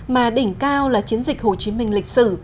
mà đỉnh cao là chiến dịch hồ chí minh lịch sử